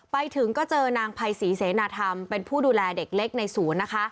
ไปถึงเจอนางไพสีเสนาทามเป็นผู้ดูแลเด็กเล็กในศูนย์